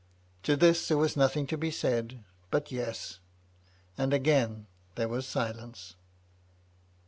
To this there was nothing to be said but "Yes;" and again there was silence.